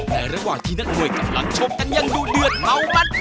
แต่ระหว่างที่นักมวยกำลังชมกันยังดูเดือดเมามัน